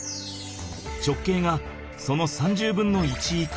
直径がその３０分の１以下。